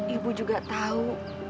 ibu juga tahu